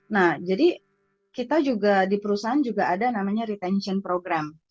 nah jadi kita juga di perusahaan juga ada namanya retention program